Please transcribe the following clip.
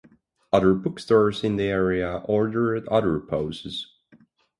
Other bookstores in the area ordered other poses.